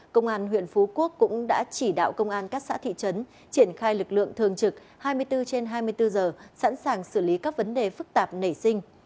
công an huyện phú quốc cũng đã chỉ đạo công an các xã thị trấn triển khai lực lượng thường trực hai mươi bốn trên hai mươi bốn giờ sẵn sàng xử lý các vấn đề phức tạp nảy sinh